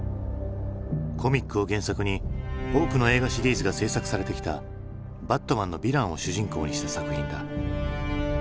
コミックを原作に多くの映画シリーズが製作されてきた「バットマン」のヴィランを主人公にした作品だ。